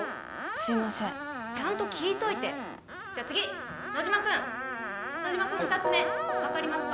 すいませんちゃんと聞いといてじゃあ次野島君野島君二つめ分かりますか？